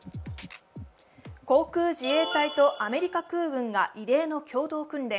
航空自衛隊とアメリカ空軍が異例の共同訓練。